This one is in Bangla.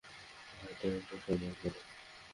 ভাই, টেলেন্টের সম্মান করো।